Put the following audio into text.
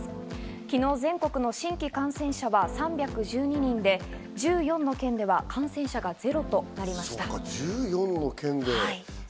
昨日、全国の新規感染者は３１２人で、１４の県では感染者がゼロとなりました。